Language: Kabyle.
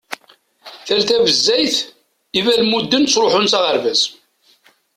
Tal tanezzayt, ibalmuden ttruḥun s aɣerbaz.